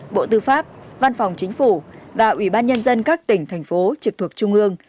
bộ tư pháp văn phòng chính phủ và ủy ban nhân dân các tỉnh thành phố trực thuộc trung ương